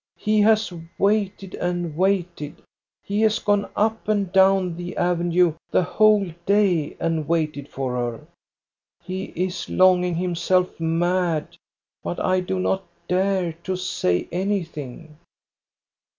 He has waited and waited. He has gone up and down the avenue the whole day and waited for her. He is longing himself mad, but I do not dare to say anything."